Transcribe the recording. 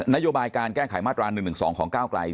นโยบายการแก้ไขมาตรา๑๑๒ของก้าวไกล